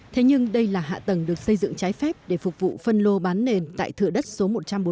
thế nhưng đây là hạ tầng được xây dựng trái phép để phục vụ phân lô bán nền tại thựa đất số một trăm bốn mươi